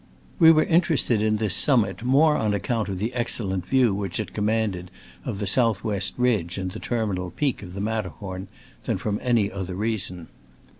We were interested in this sum mit, more on account of the excellent view which it commanded of the south west ridge and the terminal peak of the Matterhorn than from any other reason.